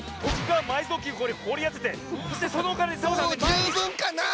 もうじゅうぶんかなぁ！